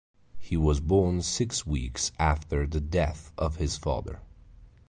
He was born six weeks after the death of his father.